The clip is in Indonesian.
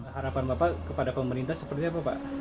harapan bapak kepada pemerintah seperti apa pak